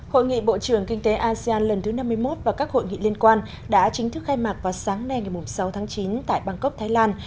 hội nghị bộ trưởng kinh tế asean lần thứ năm mươi một và các hội nghị liên quan đã chính thức khai mạc vào sáng nay ngày sáu tháng chín tại bangkok thái lan